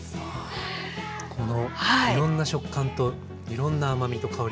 このいろんな食感といろんな甘みと香りと。